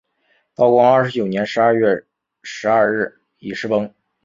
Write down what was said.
道光二十九年十二月十二日巳时崩。